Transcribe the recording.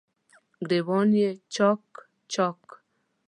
ګریوانونه یې چا ک، چا ک